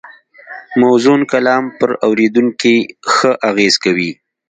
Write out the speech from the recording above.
موزون کلام پر اورېدونکي ښه اغېز کوي